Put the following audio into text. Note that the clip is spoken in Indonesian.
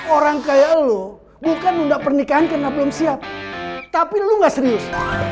orang kayak lu bukan undang pernikahan kena belum siap tapi lu nggak serius